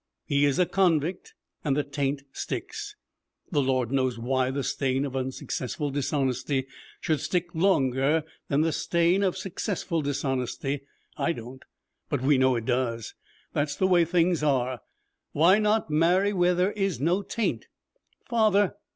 He is a convict, and the taint sticks. The Lord knows why the stain of unsuccessful dishonesty should stick longer than the stain of successful dishonesty. I don't. But we know it does. That is the way things are. Why not marry where there is no taint?' 'Father